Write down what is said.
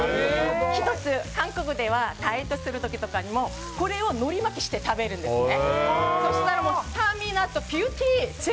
１つ、韓国ではダイエットする時とかにもこれをのり巻きして食べるんですね。